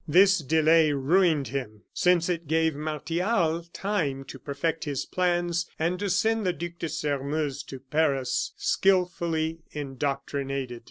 This delay ruined him, since it gave Martial time to perfect his plans and to send the Duc de Sairmeuse to Paris skilfully indoctrinated.